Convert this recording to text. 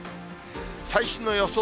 最新の予想